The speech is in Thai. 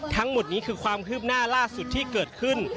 ทั้งหมดนี้คือความคืบหน้าล่าสุดที่เกิดขึ้น